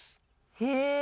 へえ。